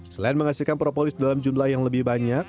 selain menghasilkan propolis dalam jumlah yang lebih banyak